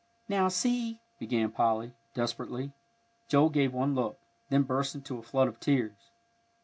"Now, see," began Polly, desperately. Joel gave one look, then burst into a flood of tears.